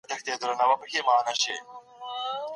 ورکړل سول؛ خو د مسعود وروڼه، د هغه زوی، د بلخ